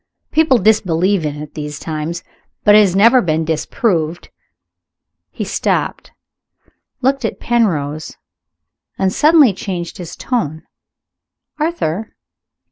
People disbelieve it in these times, but it has never been disproved." He stopped, looked at Penrose, and suddenly changed his tone. "Arthur!